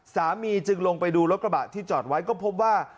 จึงลงไปดูรถกระบะที่จอดไว้ก็พบว่า